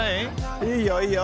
いいよいいよ